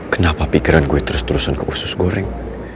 kenapa pikiran gue terus terusan ke usus goreng